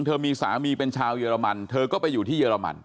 เธอมีสามีเป็นชาวเยอรมันเธอก็ไปอยู่ที่เรมัน